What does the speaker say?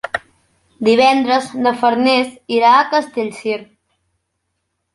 Divendres na Farners irà a Castellcir.